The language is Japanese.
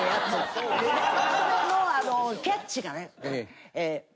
それのキャッチがね。